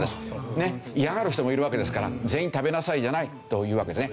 ねっ嫌がる人もいるわけですから全員食べなさいじゃないというわけですね。